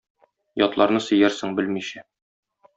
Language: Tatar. Ятларны сөярсең белмичә.